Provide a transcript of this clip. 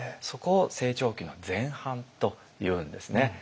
そこを成長期の前半というんですね。